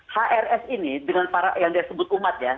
hrs ini dengan para yang disebut umat ya